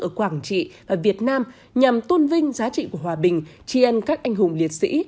ở quảng trị việt nam nhằm tôn vinh giá trị của hòa bình tri ân các anh hùng liệt sĩ